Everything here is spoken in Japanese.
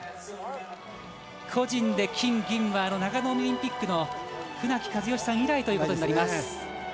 個人で金、銀は長野オリンピックの船木和喜さん以来ということになります。